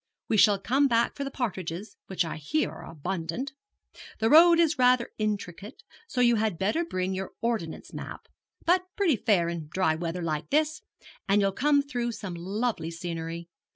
We shall come back for the partridges, which I hear are abundant. The road is rather intricate, so you had better bring your ordnance map, but pretty fair in dry weather like this; and you'll come through some lovely scenery.